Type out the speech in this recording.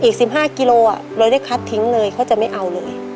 อีก๑๕กิโลเราได้คัดทิ้งเลยเขาจะไม่เอาเลย